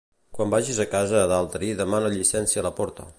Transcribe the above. Quan vagis a casa d'altri demana llicència a la porta.